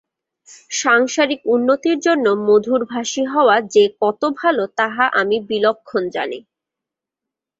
সাংসারিক উন্নতির জন্য মধুরভাষী হওয়া যে কত ভাল, তাহা আমি বিলক্ষণ জানি।